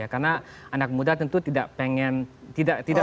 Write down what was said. karena anak muda tentu tidak